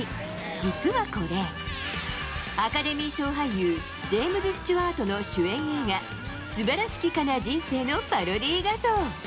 実はこれ、アカデミー賞俳優、ジェームス・スチュワートの主演映画『素晴らしき哉、人生！』のパロディー画像。